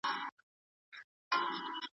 پتمنه